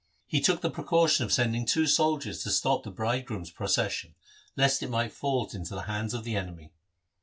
He took the precaution of sending two soldiers to stop the bridegroom's procession, lest it might fall into the hands of the enemy.